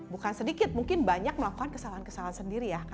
bukan sedikit mungkin banyak melakukan kesalahan kesalahan sendiri ya